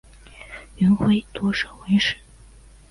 元晖多涉文史。